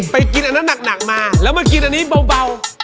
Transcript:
ไปกินอันนั้นหนักมาแล้วมากินอันนี้เบา